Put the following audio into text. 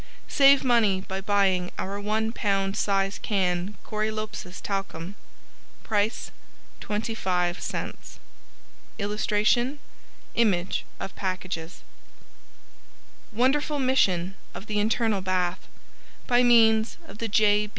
Save Money by buying our 1 lb. size can Corylopsis Talcum. PRICE 25C [Illustration: Image of packages.] WONDERFUL MISSION of THE INTERNAL BATH By means of THE "J.